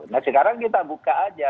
nah sekarang kita buka aja